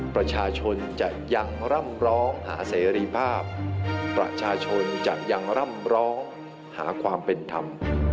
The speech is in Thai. ประชาชนจะยังร่ำร้องหาเสรีภาพประชาชนจะยังร่ำร้องหาความเป็นธรรม